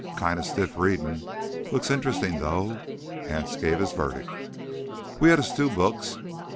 "Kinda stiff readin' ... looks interestin' though." Anse gave his verdict. "We had us two books.